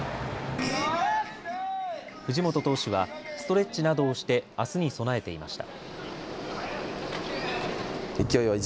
藤本投手はストレッチなどをしてあすに備えていました。